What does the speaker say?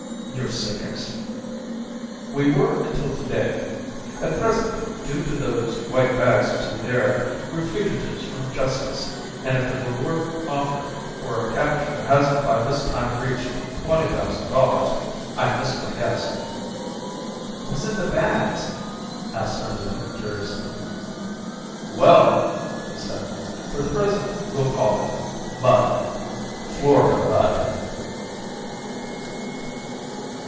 "You're singers?" "We were until to day. At present, due to those white bags you see there we're fugitives from justice and if the reward offered for our capture hasn't by this time reached twenty thousand dollars I miss my guess." "What's in the bags?" asked Ardita curiously. "Well," he said "for the present we'll call it mud Florida mud."